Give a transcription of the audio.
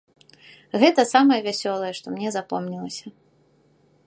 Гэта самае вясёлае, што мне запомнілася.